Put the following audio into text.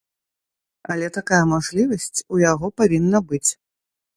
Але такая мажлівасць у яго павінна быць.